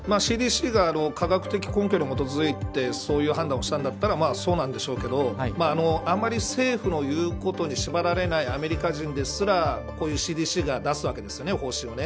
ＣＤＣが科学的根拠に基づいてそういう判断をしたからそうなんでしょうけどあまり政府の言うことに縛られないアメリカ人ですらこういうＣＤＣが方針を出すわけですね。